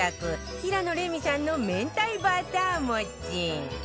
平野レミさんの明太バター餅